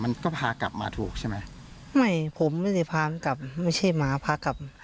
มันก็พากลับมาถูกใช่ไหมไม่ผมไม่ได้พามันกลับไม่ใช่มาพากลับ